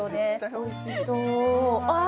おいしそうああ